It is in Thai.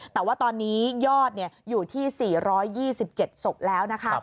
แต่ว่าตอนนี้ยอดอยู่ที่๔๒๗ศพแล้วนะคะ